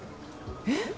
えっ？